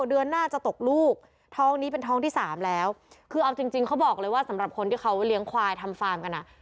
เดือนหน้าจะตกลูกท้องนี้เป็นท้องที่สามแล้วคือเอาจริงจริงเขาบอกเลยว่าสำหรับคนที่เขาเลี้ยงควายทำฟาร์มกันอ่ะ